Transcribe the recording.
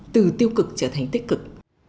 từ tiêu cực trở thành tích cực